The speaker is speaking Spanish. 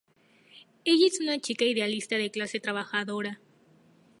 Ella es una chica idealista de clase trabajadora.